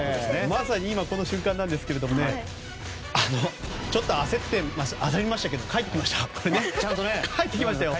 まさに今この瞬間ですがちょっと焦りましたけど書いてきましたよ。